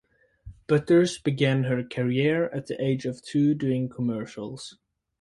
Butters began her career at the age of two doing commercials.